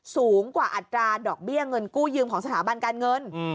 สูงกว่าอัตราดอกเบี้ยเงินกู้ยืมของสถาบันการเงิน